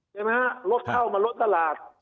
ใช่ไหมฮะรถเข้ามาลดตลาด